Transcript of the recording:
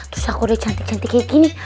terus aku udah cantik cantik kayak gini